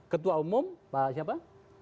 ketua umum pak siapa